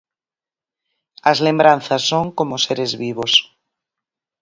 As lembranzas son como seres vivos.